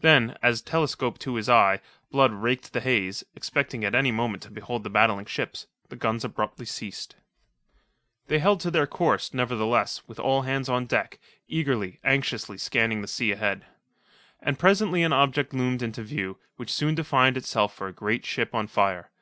Then, as, telescope to his eye, Blood raked the haze, expecting at any moment to behold the battling ships, the guns abruptly ceased. They held to their course, nevertheless, with all hands on deck, eagerly, anxiously scanning the sea ahead. And presently an object loomed into view, which soon defined itself for a great ship on fire.